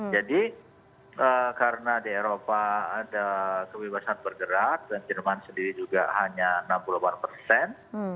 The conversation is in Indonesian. jadi karena di eropa ada kebebasan bergerak dan jerman sendiri juga hanya enam puluh delapan persen